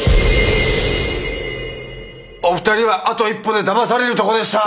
お二人はあと一歩でだまされるとこでした！